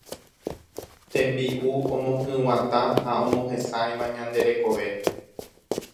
Tembi'u omohyg̃uatã ha omohesãiva ñande rekove.